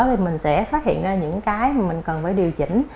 thì mình sẽ phát hiện ra những cái mà mình cần phải điều chỉnh